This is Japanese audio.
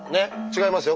違います。